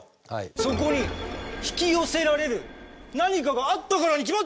そこに引き寄せられる何かがあったからに決まってるじゃねえか。